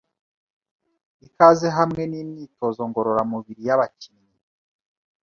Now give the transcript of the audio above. ikaze hamwe nimyitozo ngororamubiri y'abakinnyi